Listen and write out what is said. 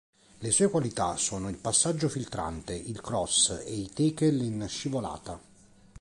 Le sue qualità sono il passaggio filtrante, il cross e i tackle in scivolata.